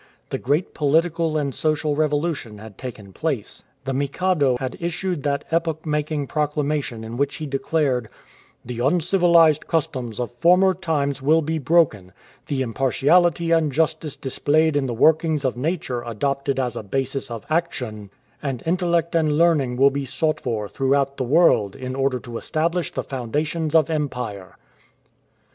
The great political and social revolution had taken place. The Mikado had issued that epoch making proclamation in which he declared :" The uncivilized customs of former times will be broken; the impartiality and justice dis played in the workings of nature adopted as a basis of action ; and intellect and learning will be sought for throughout the world in order to establish the foundations of empire."